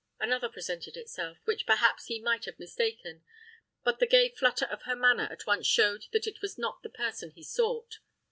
Another presented itself, which perhaps he might have mistaken, but the gay flutter of her manner at once showed that it was not the person he sought.